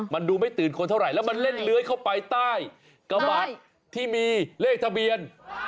มันดูไม่ตื่นคนเท่าไหร่แล้วมันเล่นเลื้อยเข้าไปใต้กระบะที่มีเลขทะเบียน